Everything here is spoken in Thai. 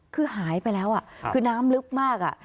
คือหายไปแล้วคือน้ำลึกมาก